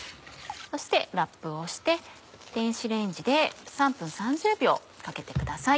そしてラップをして電子レンジで３分３０秒かけてください。